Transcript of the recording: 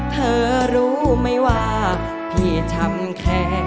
เธอรู้ไหมว่าพี่ทำแค่